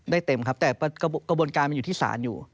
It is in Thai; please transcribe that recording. เต็มครับแต่กระบวนการมันอยู่ที่ศาลอยู่